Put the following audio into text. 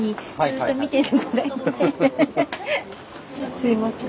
すいません。